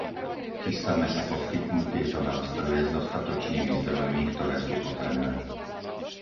Chystáme sa poskytnúť tieto nástroje s dodatočnými zdrojmi, ktoré sú potrebné.